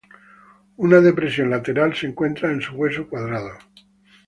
Una depresión lateral se encuentra en su hueso cuadrado.